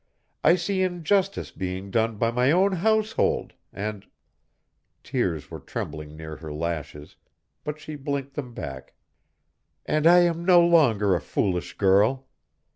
I see injustice being done by my own household, and" tears were trembling near her lashes, but she blinked them back "and I am no longer a foolish girl!